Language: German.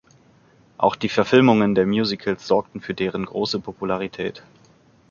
Auch die Verfilmungen der Musicals sorgten für deren große Popularität.